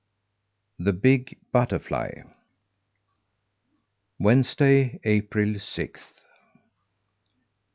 THE BIG BUTTERFLY Wednesday, April sixth.